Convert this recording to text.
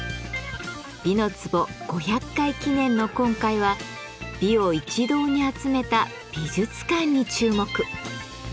「美の壺」５００回記念の今回は美を一堂に集めた美術館に注目。